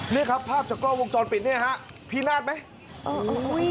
นี่ครับภาพจากกล้อวงจรปิดนี่ครับพีนาฏไหม